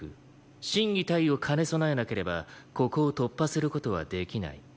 心技体を兼ね備えなければここを突破する事はできない。